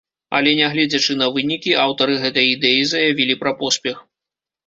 Але нягледзячы на вынікі, аўтары гэтай ідэі заявілі пра поспех.